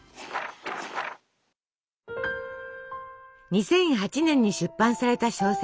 ２００８年に出版された小説